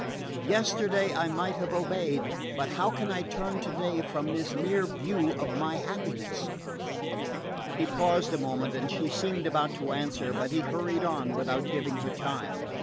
Yesterday I might have obeyed; but how can I turn today from this near view of my happiness?" He paused a moment and she seemed about to answer; but he hurried on without giving her time.